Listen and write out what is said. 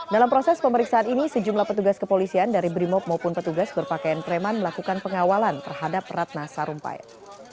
dalam proses pemeriksaan ini sejumlah petugas kepolisian dari brimob maupun petugas berpakaian preman melakukan pengawalan terhadap ratna sarumpait